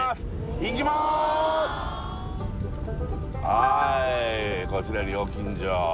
はいこちら料金所